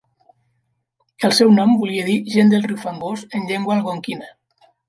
El seu nom volia dir "gent del riu fangós" en llengua algonquina.